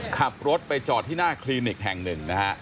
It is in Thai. ขับรถไปจอดที่หน้าคลินิกแห่งหนึ่งนะฮะ